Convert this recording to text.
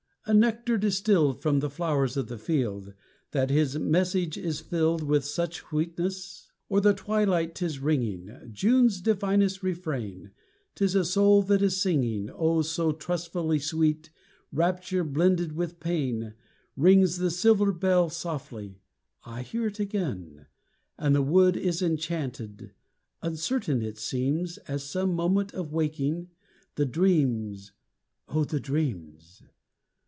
a nectar distilled From the flowers of the field, that his message is filled With such sweetness? O'er the twilight 'tis ringing June's divinest refrain, 'tis a soul that is singing, Oh, so trustfully sweet, rapture blended with pain, Rings the silver bell softly, I hear it again, And the wood is enchanted, uncertain it seems, As some moment of waking, the dreams, oh the dreams!